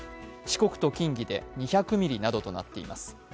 四国と近畿で２００ミリなどとなっています。